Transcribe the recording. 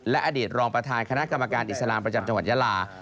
และอดีตรองประธานคณะกรรมการอิสลามประจำจังหวัดยาลา